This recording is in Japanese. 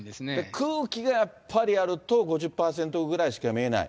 空気がやっぱりあると、５０％ぐらいしか見えない。